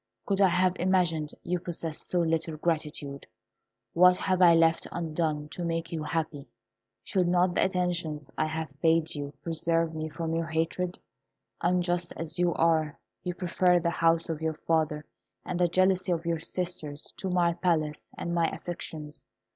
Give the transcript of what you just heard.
Could I have imagined you possessed so little gratitude? What have I left undone to make you happy? Should not the attentions I have paid you preserve me from your hatred? Unjust as you are, you prefer the house of your father and the jealousy of your sisters to my palace and my affections.